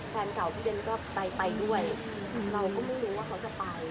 แฟนเก่าพี่เบ้นก็ไปไปด้วยเราก็ไม่รู้ว่าเขาจะไป